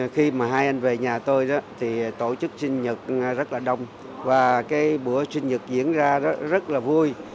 khi mà hai anh về nhà tôi đó thì tổ chức sinh nhật rất là đông và cái buổi sinh nhật diễn ra rất là vui